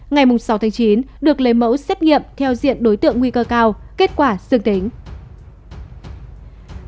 ngày sáu chín được lấy mẫu xét nghiệm theo diện đối tượng nguy cơ cao kết quả dương tính